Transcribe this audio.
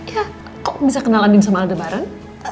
ya kok bisa kenal andin sama aldebaran